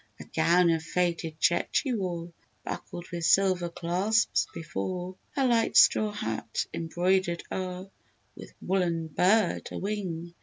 A gown of fated check she wore, Buckled with silver clasps before, A light straw hat embroidered o'er With woolen bird a wing.